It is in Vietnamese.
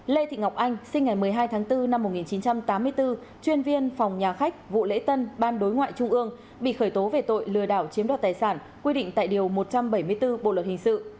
lê thị ngọc anh sinh ngày một mươi hai tháng bốn năm một nghìn chín trăm tám mươi bốn chuyên viên phòng nhà khách vụ lễ tân ban đối ngoại trung ương bị khởi tố về tội lừa đảo chiếm đoạt tài sản quy định tại điều một trăm bảy mươi bốn bộ luật hình sự